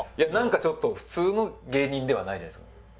なんかちょっと普通の芸人ではないじゃないですか。